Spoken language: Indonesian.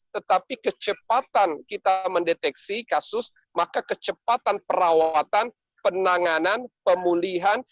tetapi kecepatan kita mendeteksi kasus maka kecepatan perawatan penanganan pemulihan